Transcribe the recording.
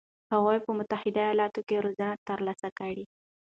هغه په متحده ایالاتو کې روزنه ترلاسه کړه.